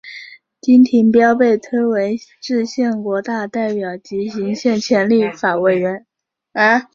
丁廷标被推为制宪国大代表及行宪前立法委员。